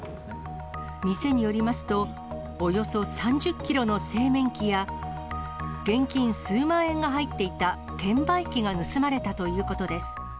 店によりますと、およそ３０キロの製麺機や、現金数万円が入っていた券売機が盗まれたということです。